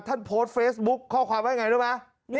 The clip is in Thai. ท่านโพสต์เฟซบุ๊คข้อความว่าอย่างไรรู้ไหม